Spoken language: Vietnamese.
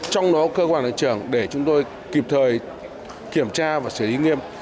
trong đó có cơ quan lãnh trưởng để chúng tôi kịp thời kiểm tra và xử lý nghiêm